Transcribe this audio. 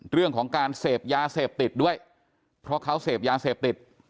เรื่องของการเสพยาเสพติดด้วยเพราะเขาเสพยาเสพติด